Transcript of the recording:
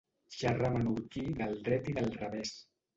Xerrar menorquí del dret i del revés.